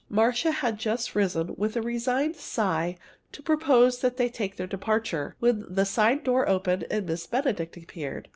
Marcia had just risen, with a resigned sigh, to propose that they take their departure, when the side door opened and Miss Benedict appeared.